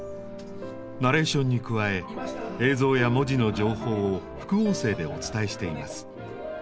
ナレーションに加え映像や文字の情報を副音声でお伝えしています。